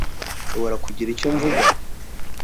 Nshobora kugira icyo mvuga?